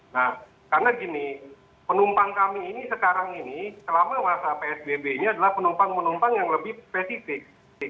nah karena gini penumpang kami ini sekarang ini selama masa psbb ini adalah penumpang penumpang yang lebih spesifik